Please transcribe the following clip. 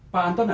pak anton ada